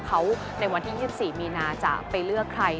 เขาในวันที่๒๔มีนาจะไปเลือกใคร